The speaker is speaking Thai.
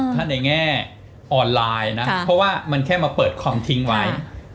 ถ้าในแง่ออนไลน์นะเพราะว่ามันแค่มาเปิดคอมทิ้งไว้